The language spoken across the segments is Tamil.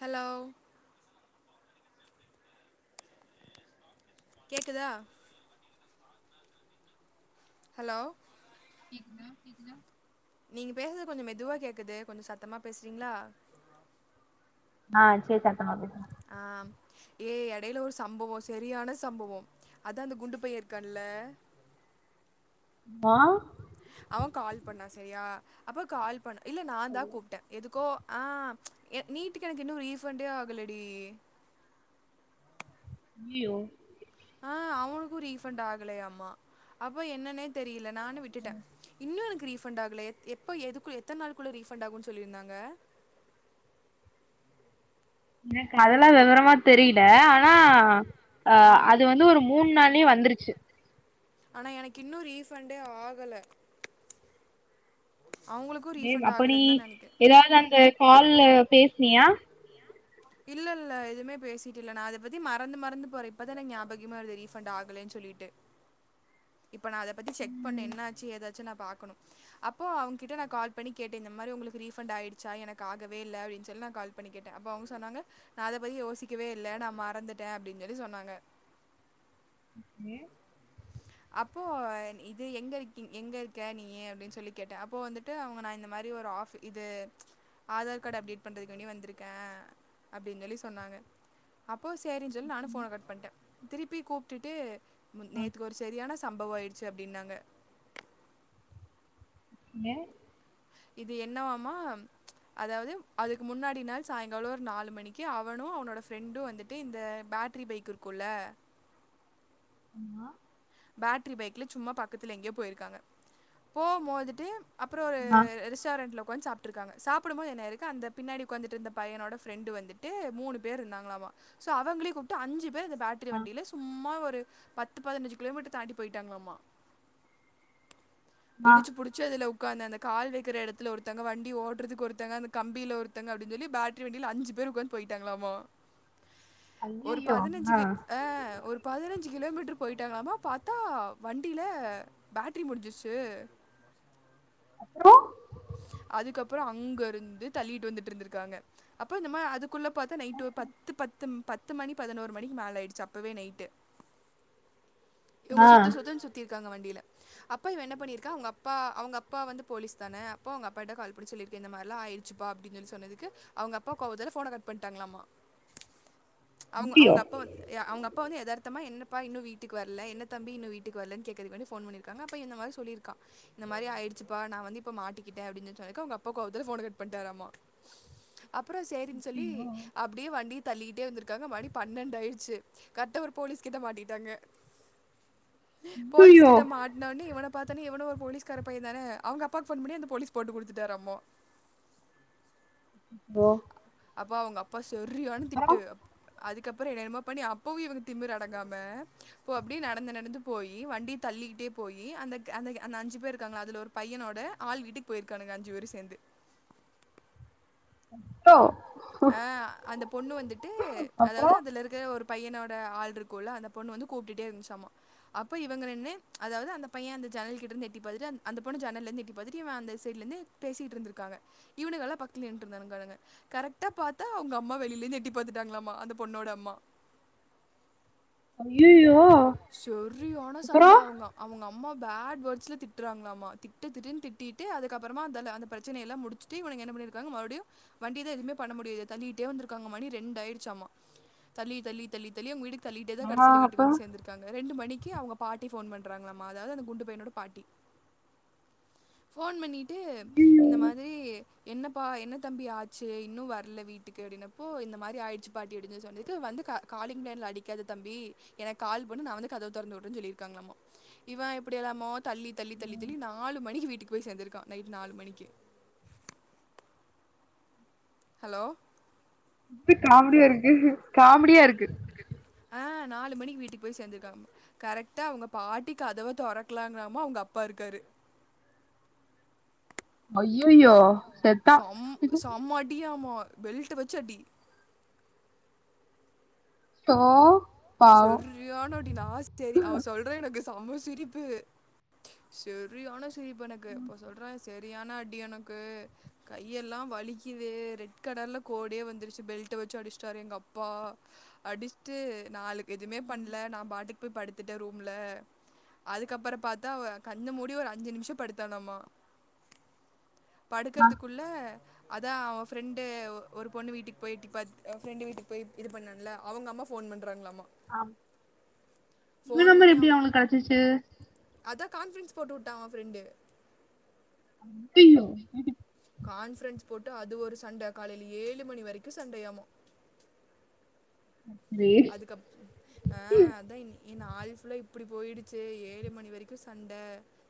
ஹலோ கேக்குதா ஹலோ கேக்குதா கேக்குதா நீங்க பேசுறது கொஞ்சம் மெதுவா கேக்குது கொஞ்சம் சத்தமா பேசுறீங்களா ஆஹ் சே சத்தமா பேசுறேன் ஆஹ ஏ எடையில ஒரு சம்பவம் சரியான சம்பவம் அதான் அந்த குண்டு பையன் இருக்கான்ல மா அவன் கால் பண்ணான் சரியா அப்ப கால் பண்ண இல்ல நான் தான் கூப்டேன் எதுக்கோ ஆஹ் நீட்டுக்கு எனக்கு இன்னும் ரீஃபண்டே ஆகலடி யோ ஆஹ அவனுக்கும் ரீபண்ட் ஆகலயாம்மா அப்ப என்னன்னே தெரியல நானு விட்டுட்டேன் இன்னும் எனக்கு ரீஃபண்ட் ஆகல எப்ப எதுக்கு எத்தனை நாளுக்குள் ரீஃபண்ட் ஆகும்னு சொல்லிருந்தாங்க எனக்கு அதெல்லாம் வெவரமா தெரியல ஆனா அஹ ம் அது வந்து ஒரு மூணு நாளே வந்துருச்சு ஆனா எனக்கு இன்னும் ரீபண்டே ஆகல அவங்களுக்கு ஏ ரீஃபண்ட் அப்ப நீ ஆகலன்னு தா நெனைக்கிறே ஏதாவது அந்த கால்ல பேசுனியா இல்ல இல்ல எதுமே பேசிட்டு இல்ல நான் அதை பத்தி மறந்து மறந்து போறேன் இப்பத எனக்கு ஞாபகமே வருது ரீபண்ட் ஆகலேன்னு சொல்லிட்டு இப்ப நான் அதை பத்தி செக் பண்ணே ம் என்ன ஆச்சு ஏதாச்சு ச்சே நான் பா்க்கணும் அப்போ அவுங்க கிட்ட நான் கால் பண்ணி கேட்டேன் இந்த மாரி உங்களுக்கு ரீஃபண்ட் ஆயிடுச்சா எனக்கு ஆகவே இல்ல அப்டினு சொல்லி நான் கால் பண்ணி கேட்டேன் அப்ப அவுங்க சொன்னாங்க நான் அதை பத்தி யோசிக்கவே இல்ல நான் மறந்துட்டேன் அப்டின்னு சொல்லி சொன்னாங்க ஏன் அப்போ இது எங்க இருக்கீ எங்க இருக்கே நீ அப்டின்னு சொல்லி கேட்டன் அப்போ வந்துட்டு அவுங்க நான் இந்த மாரி ஒரு ஆபிஸ் இது ஆதார் கார்டு அப்டேட் பண்றதுக்கு வேண்டி வந்ருக்கேன் அப்டின்னு சொல்லி சொன்னாங்க அப்போ சரின்னு சொல்லி நானும் போன கட் பண்ணிட்டேன் திருப்பி கூப்டுட்டு முன்நேற்று சரியான சம்பவம் ஆயிடுச்சு அப்டின்னாங்க ஏன் இது என்னவாமா ச் அதாவது அதுக்கு முன்னாடி நாள் சாய்ங்காலம் ஒரு நாலு மணிக்கு அவனும் அவனோட ஃப்ரெண்டும் வந்துட்டு இந்த பேட்ரி பைக் இருக்கும்ல அம்மா பேட்ரி பைக்ல சும்மா பக்கத்துல எங்கேயோ போயிருக்காங்க போகும் போதுட்டு அப்புறம் ஒரு ஆ ரெஸ்டாரண்ட்ல உட்கார்ந்து சாப்புட்டுருக்காங்க சாப்புடும் போது என்ன ஆயிருக்கு பின்னாடி உட்கார்ந்து இருந்த பயனோட பிரண்ட் வந்துட்டு மூணு பேரு இருந்தாங்கலாமா சோ அவங்களையும் கூப்டு அஞ்சு பேரு அந்த பேற்றி வண்டியில சும்மா ஒரு பத்து பதனஞ்சு கிலோமீட்டர் தாண்டி போயிட்டாங்களாமா இடிச்சு புடிச்சு அதுல அந்த அந்த கால் வைக்கிற இடத்துல ஒருத்தவுங்க வண்டி ஓட்றதுக்கு ஒருத்தவுங்க அந்த கம்பியில ஒருத்தவுங்க அப்டின்னு சொல்லி பேட்ரி வண்டியில அஞ்சு பேர் உட்காந்து போயிட்டாங்களாமா ஒரு ஐயயோ பதினெஞ்சு ஆ க் ஆஹ ஒரு பதினெஞ்சு கிலோமீட்டர் போயிட்டாங்களாமா பாத்தா வண்டில பேட்ரி முடிஞ்சிருச்சு அப்றோ அதுக்கப்புறோ அங்க இருந்து தள்ளிட்டு வந்துட்டு இருந்திருக்காங்க அப்ப இந்த மாரி அதுக் குள்ள பாத்து நைட்டு பத்து பத்தும் பத்து மணி பதினோரு மணிக்கு மேல ஆயிடுச்சு அப்பவே நைட்டு ஆ இவங்க சுத்து சுத்துன்னு சுத்தி க்காங்க வண்டியில அப்ப இவ என்ன பண்ணிருக்கா அவங்க அப்பா அவங்க அப்பா வந்து போலீஸ்தான அப்போ அவங்க அப்பா கிட்ட கால் பண்ண சொல்லிருக்கு இந்த மாரில்லா ஆயிடுச்சுப்பா அப்டின்னு சொல்லி சொன்னதுக்கு அவங்க அப்பா கோவத்துல ஃபோன கட் பண்ணிட்டாங்களாமா அவங்க ஐயயோ அவங்க அப்ப வந் அவங்க அப் அப்பா வந்து எதார்த்தமா என்னப்பா இன்னு வீட்டுக்கு வர்ல என்ன தம்பி இன்னு வீட்டுக்கு வர்ல கேக்கறதுக்கு முன்னாடி ஃபோன் பண்ணிருக்காங்க அப்போ இந்த மாரி சொல்லிருக்கா இந்த மாரி ஆயிடுச்சுப்பா நா வந்து இப்ப மாட்டிக் க்கிட்டே அப்டின்னு சொல்லி சொன்னதுக்கு அவங்க அப்பா கோவத்துல ஃபோன கட் பண்ணிட்டாராம்மா அப்புறோ சேரின்னு சொல்லி அப்டியே வண்டியத் தள்ளிட்டே வந்திருக்காங்க மணி பன்னெண்டு ஆயிடுச்சு கரெக்டா ஒரு போலீஸ்கிட்ட மாட்டிட்டாங்க போலீஸ் ஐயயோ கிட்ட மாட்னவுட்னே இவன பாத்தன்னா இவனு ஒரு போலீ்ஸ்கார பைய தான அவங்க அப்பாக்கு ஃபோன் பண்ணி அந்த போலீஸ் போட்டு குடுத்துட்டாராமா போ அப்ப அவங்க அப்பாஸ் செரியான திட்டு அப் அதுக்கப்புறோ என்னென்னமோ பண்ணி அப்பவு இவங்க திமிர் அடங்காம இப்ப அப்டியே நடந்து நடந்து போயி வண்டிய தள்ளிக்கிட்டே போயி அந்த அந்த அந்த அஞ்சு பேர் இருக்காங்கல்ல அதுல ஒரு பையனோட ஆள் வீட்டுக் போயிரு்க்கானுகஅஞ்சு பேரும் சேந்து ட்டோ ஆஹ் அந்த பொண்ணு வந்துட்டு அப்றோ அதாவது அதுல இருக்கிற ஒரு பையனோட ஆள் இருக்கும்ல்ல அந்த பொண்ணு வந்து கூப்டுட்டே இருந்துச்சாமா அப்போ இவங்க நின்னு அதாவது அந்த பைய அந்த ஜன்னல் கிட்ட இருந்து எட்டி பாத்துட்டு அந் அந்த பொண்ணு ஜன்னல்ல இருந்து எட்டி பாத்துட்டு இவ அந்த சைட்ல இருந்து பேசிட்டு இருந்திருக்காங்க இவுனுகல்லா பக்கத்துலயே நின்னுட்டு இருந்திருக்கானுக கரெக்ட் ட்ட பாத்தா அவங்க அம்மா வெளில இருந்து எட்டி பாத்துட்டாங்களாமா அந்த பொண்ணோட அம்மா ஐயயோ செரியான அப்றோ சண்ட அவங்க அவங்க ரொம்ப பேட் வேர்ட்ஸ்ல திட்டுறாங்களாமா திட்டு திட்டுன்னு திட்டிட்டு அதுக்கப்புறமா அந்த அந்த பிரச்சனைய எல்லா முடிச்சுட்டு இவனுக என்ன பண்ணிருக்காங்க மறுபடியு வண்டிதா எதுவுமே பண்ண முடியா தள்ளிட்டே வந்துருக்காங்க மணி ரெண்டு ஆயிடுச்சாமா தள்ளி தள்ளி தள்ளி தள்ளி அவங்க வீடுக் தள்ளிட்டேதா ஆ கடைசில வீட்டுக்கு அப்றோ வந்து சேந்துருக் ரெண்டு மணிக்கு அவங்க பாட்டி ஃபோன் பண்றாங்களாம்மா அதாவது அந்த குண்டு பையனோட பாட்டி ஃபோன் பண்ணிட்டு இந்த மாதிரி என்னப்பா என்ன தம்பி ஆச்சு இன்னு வரல வீட்டுக்கு அப்டின்னப்போ இந்த மாரி ஆயிடுச்சு பாட்டி அப்டின்னு சொன்னதுக்கு வந்து கா காலிங் பெல் அடிக்காத தம்பி ஏன்னா கால் பண்ணி நா வந்து கதவ தொறந்து வுட்றேனு சொல்லிருக்காங்களாமா இவ எப்டி எல்லாமோ தள்ளி தள்ளி தள்ளி தள்ளி நாலு மணிக்கி வீட்டுக்கு போய் சேந்துருக்கான் நைட் நாலு மணிக்கி ஹலோ [unintelligible] காமெடியா இருக்கு காமெடியா இருக்கு ஆஹ் நாலு மணிக்கு வீட்டுக்கு போய் சேந்திருக்காங்களாமா கரெக்டா அவங்க பாட்டி கதவ தொறக்கறாங்கலாமா அவங்க அப்பா இருக்காரு ஐயயோ செத்தா செம் செம்ம அடியா ஆமா பெல்ட் வச்சு அடி தோ செரியான அடி லாஸ்ட் அடி அவ சொல்றா எனக்கு சம சிரிப்பு செரியான சிரிப்பு எனக்கு அப்ப சொல்றா செரியான அடி எனக்கு கையெல்லாம் வலிக்குது ரெட் கலர்ல கோடே வந்துருச்சு பெல்ட் வச்சு அடிசிட்டாரு எங்க அப்பா அடிசிட்டு நாலுக் எதுமே பண்ல நா பாட்டுக் போய் படுத்துட்டே ரூம்ல அதுக்கப்புற பாத்தா கண்ண மூடி ஒரு அஞ்சு நிமிஷோ படுத்தானாமா படுக்கறதுக்குள்ள அதான் அவன் ஃப்ரெண்டு ஒரு பொண்ணு வீட்டுக்கு போய்ட்டு ப்ப ஃப்ரெண்டு வீட்டுக்கு போய் இது பண்ணோம்ல அவங்க அம்மா ஃபோன் பண் [unintelligible] ஆம் இவ ஃபோன் நம்பர் பண்ணி எப்பனடி அவங்க அவனுக்கு கெடச்சிச்சு அதான் கான்ஃபரன்ஸ் போட்டு வுட்டடான் அவன் ஃப்ரெண்டு ய்யயையோ கான்ஃபரன்ஸ் போட்டு அது ஒரு சண்ட காலைல ஏழு மணி வரைக்கு சண்டயாமா ரே அதுக்கப் ஆஹ் அதா இனி இ நாள் ஃபுல்லா இப்டி போயிடுச்சு ஏழு மணி வரைக்கு சண்ட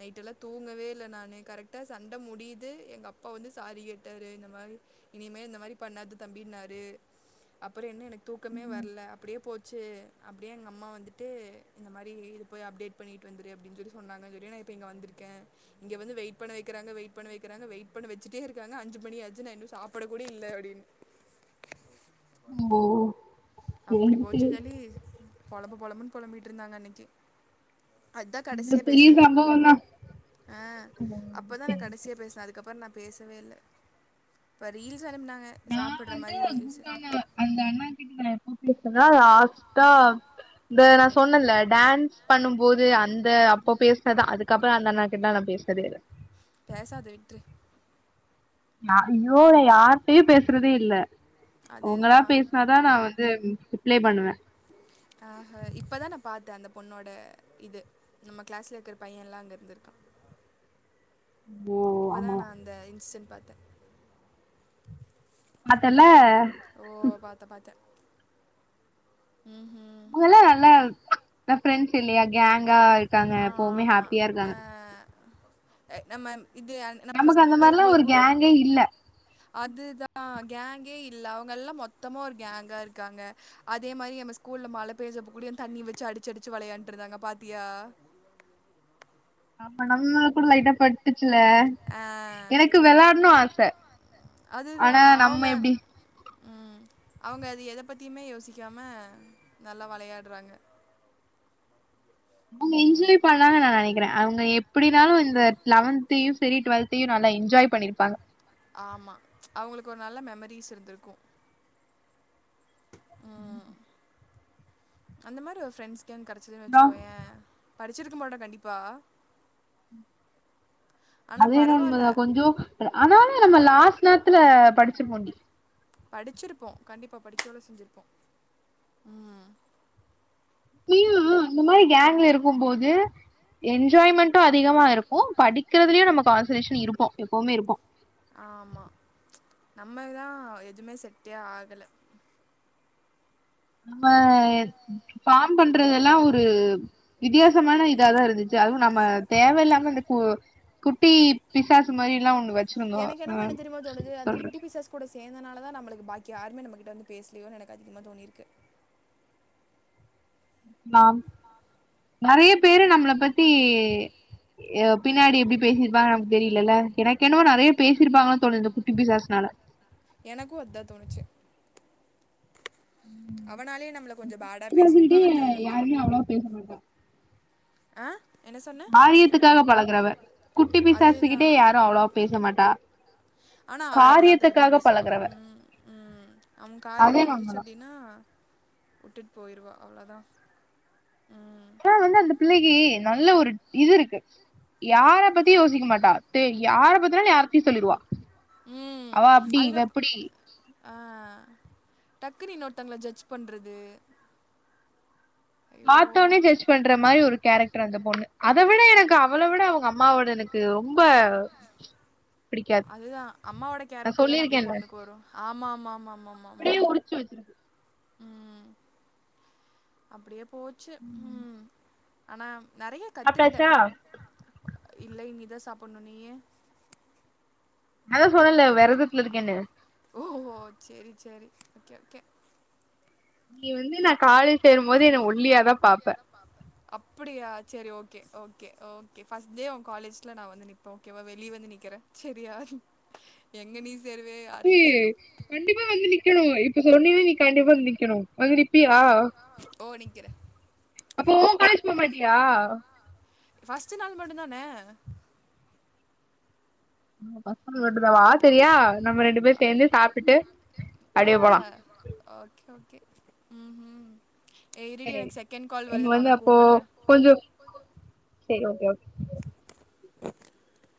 நைட்டெல்லா தூங்கவே இல்ல நானு கரெக்டா சண்ட முடியுது எங்க அப்பா வந்து சாரி கேட்டாரு இந்த மாரி இனிமே இந்த மாரி பண்ணாத தம்பின்னாரு அப்புற என்ன எனக் தூக்கமே வரல ட்டு போச்சு அப்டி எங்க அம்மா வந்துட்டு இந்த மாரி இது போய் அப்டேட் பண்ணிட்டு வந்துரு அப்டின்னு சொல்லி சொன்னாங்கன்னு சொல்லி நா இப்ப இங்க வந்திருக்கேன் இங்க வந்து வெயிட் பண்ண வைக்கிறாங்க வெயிட் பண்ண வைக்கிறாங்க வெயிட் பண்ண வச்சுட்டே இருக்காங்க அஞ்சு மணியாச்சு நான் இன்னும் சாப்ட கூட இல்ல அப்டின்னு ஓ அப்படி போச்சுன்னு சொல்லி பொலம்பு பொலம்புனு பொலம்பிட்டு இருந்தாங்க அன்னிக்கி அதான் இது கடைசியா பெரிய பேசினது சம்பவம் தா [inaudible] ஆஹ் அப்பதா நா கடைசியா பேசினே அதுக்கப்புறோ நா பேசவேல்ல ப்ப ரீல் நான் வந்து குண்டான அந்த அண்ணா கிட்ட இப்பதா லாஸ்ட்டா இந்த நா சொன்னல டான்ஸ் பண்ணும்போது அந்த அப்போ பேசுனதா அதுக்கப்புறோ அந்த அண்ணா [unintelligible] பேசுனதேல்ல பேசாத விட்ரு நா ஐயோ நா யார்ட்டயும் பேசுறதே இல்ல அவங்களா அதுதான் பேசுனாதான் நான் வந்து ரிப்ளே பண்ணுவே ஆஹ்ஹா இப்பதா நா பாத்த அந்த பொண்ணோட இது நம்ம கிளாஸ்ல இருக்கிற பைய எல்லா அங்க இருந்துருக்கா ஓ இப்பதா ஆமா நா அந்த இன்சிடென்ட் பாத் பாத்தல்ல ம்ஹ்ம் [unintelligible] நல்லா இந்த ஃபிரெண்ட்ஸ் இல்லயா கேங்கா இருக்காங்க எப்பவுமே ஹாப்பியா இருக்காங்க ஹ நம்ம இது நம்ம நமக்கு அந்த ஸ்கூலில் மாரிலாம் இருக்கும்போது ஒரு கூ கேங்கே இல்ல அதுதான் கேங்கே இல்ல அவங்கெல்லாம் மொத்தமா ஒரு கேங்கா இருக்காங்க அதேமாரி நம் ஸ்கூல்ல மழ பெய்ஞ்சப்ப கூட என் தண்ணி வச்சு அடிச்சடித்து விளையாண்டுட்டுருந்தாங்க பாத்தியா ஆமா நம்ல்லாம் கூட லைட்டா பட்டு ச்சில ஆ எனக்கு வெளாடணு ஆச ஆனா நம்ம எப்டி உம் அவங்க அத எத பத்தியுமே யோசிக்காம நல்லா விளையாடுறாங்க அவங்க என்ஜாய் பண்ணலா நான் நெனக்கிறேன் அவங்க எப் எப்டினாலும் இந்த லெவன்த் இப்பயும் சரி டுவெல்த்தையும் நல்லா என்ஜாய் பண்ணிருப்பா ஆமா அவங்களுக்கு ஒரு நல்ல மெமரிஸ் இருந்திருக்கும் அந்த மாரி ஒரு ஃரெண்ட் [unintelligible] கெடச்சதுன்னு அப்றோ வச்சுக்கோயேன் படிச்சிருக்க மாட்ட கண்டிப்பா ஆனா அதென்னும் உண்ம பரவால்ல தான் கொஞ்சம் ஆனாலும் நம்ம லாஸ்ட் நேரத்துல படிச்சு போண்டி படிச்சிருப்போம் கண்டிப்பா படிச்சோள செஞ்சிருப்போம் உம் [unintelligible] இந்த மாரி கேங்ல இருக்கும் போது என் என்ஜாய்மெண்டும் அதிகமா இருக்கும் படிக்கிறதுலயும் நமக்கு அதி [unintelligible] இருப்போம் எப்பவுமே இருப்போம் ஆமா நம்மதான் எதுவுமே செட்டே ஆகல நம்ப பாம் பண்றதெல்லாம் ஒரு வித்தியாச மோசமான இதா தான் இருந்துச்சு அதுவும் நம்ம தேவயில்லாம இப்ப குட்டி பிசாசு மாரிலாம் [unintelligible] வ எனக்கு என்னமோ என்ன தெரியுமோ தோணுது அந்த குட்டி பிசாஸ் கூட சேர்ந்தனால தான் நம்மளுக்கு பாக்கி யாருமே நம்ம கிட்ட வந்து பேசலையோனு எனக்கு அதிகமா தோணிருக்கு நாம் நிறைய பேரு நம்மள பத்தி ய பின்னாடி எப்டி பேசிருப்பாங்க நமக்கு தெரியலல்ல எனக்கு என்னவோ நிறைய பேசிருப்பாங்களோ தோணுது இந்த குட்டி பிசாஸ்னால எனக்கு அதான் தோணுச்சு அவனாலயே நம்மள கொஞ்சோ பேடா பேசியிருப்பாங்கன்னு சொல்லி [inaudible] தோணுச்சு யாருமே அவ்வளா பேச மாட்டா ஹ காரியத்துக்காக பழகுறவ குட்டி அதுதா பிசாசுக்கிட்டே யாரும் அவ்வளவா பேச மாட்டா ஆனா அவ எல்லாத்த பத்தி காரியத்துக்காக பேசுவா பழகுறவ உம் உம் அவங்க அது காரியம் என்னமோ உண்மதா முடிஞ்சிச்சு அப்படின்னா விட்டுட்டு போயிருவா அவ்ளோதான் ம் ஆ வந்து அந்த பிள்ளைக்கு நல்ல ஒரு இது இருக்கு யார பத்தியும் யோசிக்க மாட்டா தெ யார பத்தினாலும் யாரத்தையும் சொல்லிடுவா அவ அப்டி இவ இப்டி அஹ் டக்குனு இன்னொருத்தங்கல ஜட்ஜ் பண்றது ஐயோ பார்த்தோனே ஜட்ஜ் பண்ற மாரி ஒரு கேரக்டர் அந்த பொண்ணு அத விட எனக்கு அவள விட அவங்க அம்மாவோட எனக்கு ரொம்ப பிடிக்காது அதுதா அம்மாவோட நா கேரக்டர் தானே அப்டியே சொல்லிருக்கேன்ல பொண்ணுக்கு வரும் ஆமா ஆமாமா ஆமாம் ஆமாம் அப்டியே உரிச்சு வச்சிருக்கு உம் அப்படியே போச்சு உம் ஆனா நறைய கத்துக்கிட்டே சாப்ட்டாச்சா இல்ல இனிதா சாப்பணும் நீயி நாதா சொன்னேல விரதத்துல இருக்கேன்னு செரி ஓகே ஓகே நீ வந்து நா காலேஜ் சேரும்போது என ஒல்லியா தா பாப்ப அப்புடியா சரி okay okay okay first day உன் காலேஜ்ல நா வந்து நிப்பே ஓகேவ வெளியே வந்து நிக்கிறேன் சரியா எங்க நீ சேருவே ஏ யாருக்கு தெரியு கண்டிப்பா வந்து நிக்கணு சொன்னினா நீ கண்டிப்பா வந்து நிக்கணும் மகுடி நிப்பியா ஓ நிக்கிறே அப்போ உ காலேஜ் போமாட்டியா ஃபஸ்ட்டு நாலு மட்டு தானே நம்ம பசங்களோட தா வா தெரியா நம்ம ரெண்டு பேர் சேர்ந்து சாப்ட்டுட்டு அப்டியே போலா ஆஹ் ஓகே ஓகே ம் ம் ஏ இருடி சேரி எனக்கு செகண்ட் கால் எனக்கு வருது நான் வந்து உன அப்போ கூப்புடுறேன் செரி ஓகே ஓகே [inaudible]